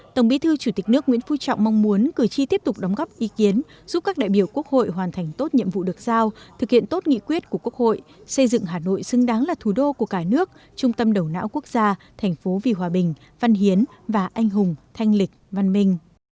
tổng bí thư chủ tịch nước nguyễn phú trọng mong muốn cử tri tiếp tục đóng góp ý kiến giúp các đại biểu quốc hội hoàn thành tốt nhiệm vụ được giao thực hiện tốt nghị quyết của quốc hội xây dựng hà nội xứng đáng là thủ đô của cả nước trung tâm đầu não quốc gia thành phố vì hòa bình văn hiến và anh hùng thanh lịch văn minh